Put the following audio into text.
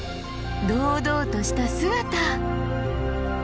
堂々とした姿。